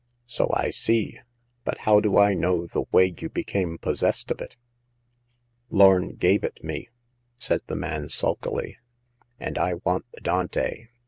41 " So I see ; but how do I know the way you became possessed of it ?"Lorn gave it me," said the man, sulkily, and I want the Dante